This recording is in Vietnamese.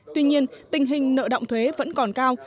tuy nhiên tình hình nợ động thuế vẫn còn cao